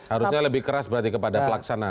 harusnya lebih keras berarti kepada pelaksana